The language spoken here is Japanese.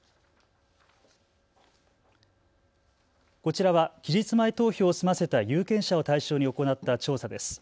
こちらは期日前投票を済ませた有権者を対象に行った調査です。